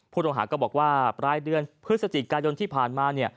ผู้ต้องหาก็บอกว่าปลายเดือนพฤศจิกายนที่ผ่านมา